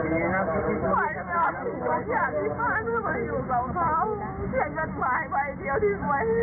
อยากกันไหวไปเที่ยวที่สวยให้มัน